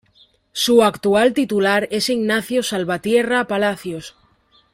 Su actual titular es Ignacio Salvatierra Palacios.